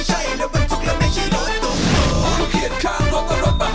ตัวนักวง